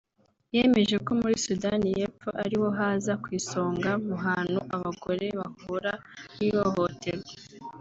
yemeje ko muri Sudani y’Epfo ari ho haza ku isonga mu hantu abagore bahura n’ihohoterwa